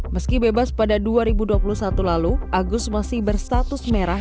meski bebas pada dua ribu dua puluh satu lalu agus masih berstatus merah